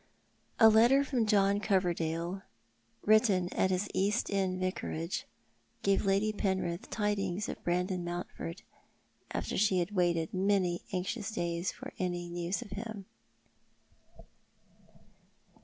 A letter from John Coverdale, written at his East End ''A Passionless Peace." 319 vicarage, gave Lady Peurith tidings of Brandon ^louutford, after she had waited many anxious days for any news of him.